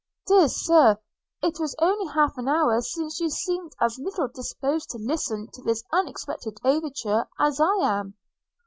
'Dear Sir, it was only half an hour since you seemed as little disposed to listen to this unexpected overture as I am.'